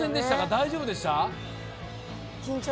大丈夫でしたか？